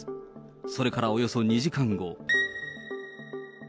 それからおよそ２時間後。